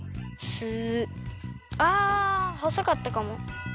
あほそかったかも。